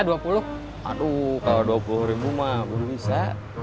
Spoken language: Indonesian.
aduh kalau dua puluh ribu mah baru bisa